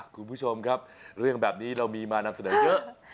คุณผู้ชมครับเรื่องแบบนี้เรามีมานำเสนอเยอะ